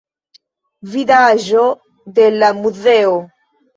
Vidaĵo de la muzeo.